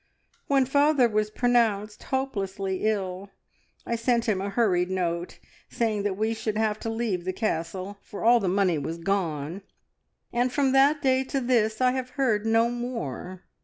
When father was pronounced hopelessly ill, I sent him a hurried note, saying that we should have to leave the Castle, for all the money was gone, and from that day to this I have heard no more.